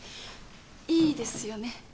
いいですよね？